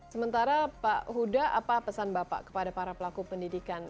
sementara pak huda apa pesan bapak kepada para pelaku pendidikan